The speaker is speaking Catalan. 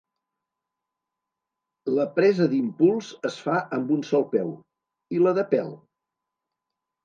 La presa d'impuls es fa amb un sol peu. I la de pèl?